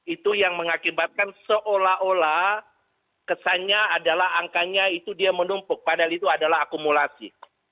itu yang mengakibatkan seolah olah kesannya adalah angkanya itu dia menumpuk padahal itu adalah akumulasi